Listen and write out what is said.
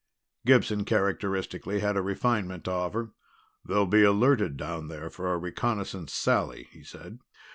Gibson, characteristically, had a refinement to offer. "They'll be alerted down there for a reconnaissance sally," he said.